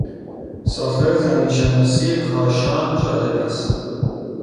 ساختار زمین شناسی کاشان جالب است.